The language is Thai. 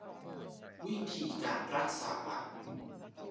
วิธีการรักษา